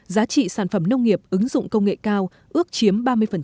giá trị sản phẩm nông nghiệp ứng dụng công nghệ cao ước chiếm ba mươi